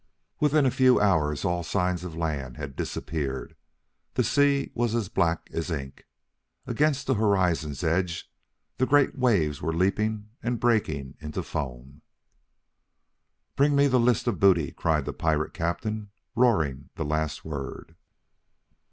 Within a few hours, all signs of land had disappeared. The sea was as black as ink. Against the horizon's edge, the great waves were leaping and breaking into foam. "Bring me the list of booty!" cried the pirate captain, roaring the last word.